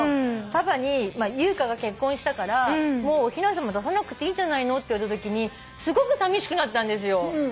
パパに「優香が結婚したからもうおひなさま出さなくていいんじゃないの」って言われたときにすごくさみしくなったんですよ。